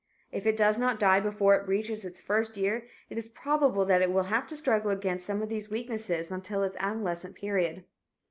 If it does not die before it reaches its first year, it is probable that it will have to struggle against some of these weaknesses until its adolescent period.